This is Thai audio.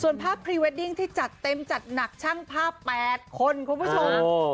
ส่วนภาพพรีเวดดิ้งที่จัดเต็มจัดหนักช่างภาพ๘คนคุณผู้ชม